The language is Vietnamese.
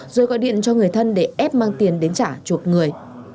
rồi gọi điện cho người thân để ép mang tiền đến trả chuộc người